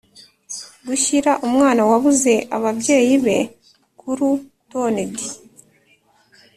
Gushyira umwana wabuze ababyeyi be kuru toned